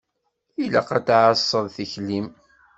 Ilaq ad tɛasseḍ tikli-m.